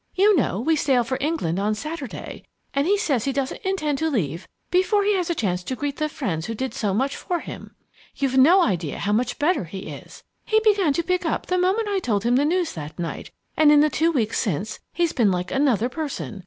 You know, we sail for England on Saturday, and he says he doesn't intend to leave before he has a chance to greet the friends who did so much for him! You've no idea how much better he is! He began to pick up the moment I told him the news that night; and in the two weeks since, he's been like another person.